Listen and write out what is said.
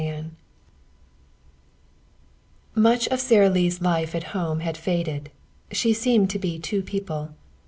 XXII Much of Sara Lee's life at home had faded. She seemed to be two people.